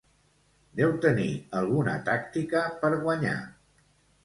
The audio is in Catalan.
Deu tenir alguna tàctica per guanyar.